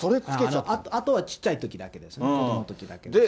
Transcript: あとはちっちゃいときだけですね、子どものときだけです。